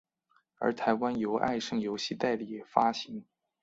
而台湾由爱胜游戏代理发行。